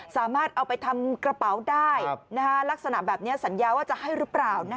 สามารถเอาไปทำกระเป๋าได้ลักษณะแบบนี้สัญญาว่าจะให้หรือเปล่า